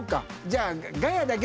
じゃあ。